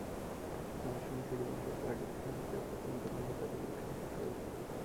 তাঁদের সঙ্গে সিটি ব্যাংকের কার্ড ডিভিশনের গ্রেপ্তার তিন কর্মকর্তারও যোগসাজশ রয়েছে।